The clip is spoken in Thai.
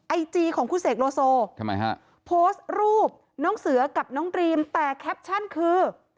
ไอจีของคุณเสกโลโซทำไมฮะโพสต์รูปน้องเสือกับน้องดรีมแต่แคปชั่นคือ